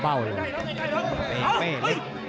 เป้เป้เล็ก